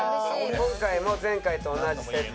今回も前回と同じ設定。